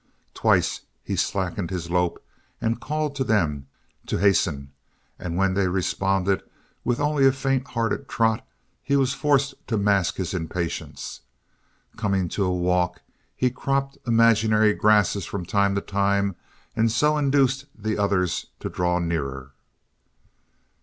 Twice he slackened his lope and called to them to hasten and when they responded with only a faint hearted trot he was forced to mask his impatience. Coming to a walk he cropped imaginary grasses from time to time and so induced the others to draw nearer.